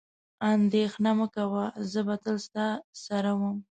اندېښنه مه کوه، زه به تل ستا سره وم.